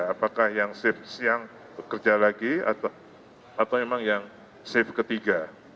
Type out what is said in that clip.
apakah yang shift siang bekerja lagi atau memang yang safe ketiga